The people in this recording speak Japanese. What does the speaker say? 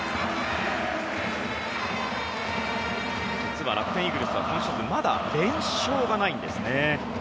実は楽天イーグルスは今シーズンまだ連勝がないんですね。